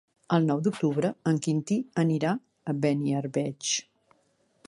El nou d'octubre en Quintí anirà a Beniarbeig.